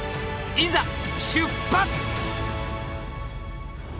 いざ出発！